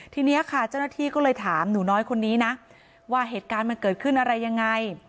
ทีนี้ค่ะเจ้าหน้าที่ก็เลยถามหนูน้อยคนนี้นะว่าเหตุการณ์มันเกิดขึ้นอะไรยังไง